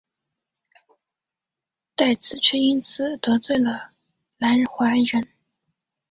戴梓却因此得罪了南怀仁。